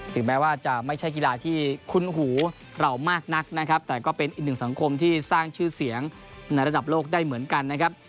ถึงแม้ว่าจะไม่ใช่กีฬาที่คุ้นหูเรามากนักนะครับแต่ก็เป็นอีกหนึ่งสังคมที่สร้างชื่อเสียงในระดับโลกได้เหมือนกันนะครับ